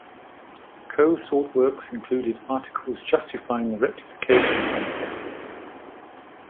Coe sought works included articles justifying the Rectification campaign.